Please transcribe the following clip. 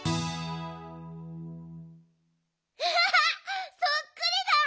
アハハそっくりだ！